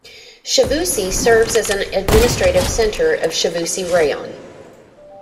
Chavusy serves as an administrative center of Chavusy Raion.